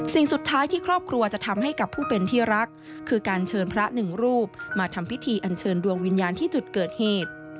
สิ่งสุดท้ายที่ครอบครัวจะทำให้กับผู้เป็นที่รักคือการเชิญพระหนึ่งรูปมาทำพิธีอันเชิญดวงวิญญาณที่จุดเกิดเหตุ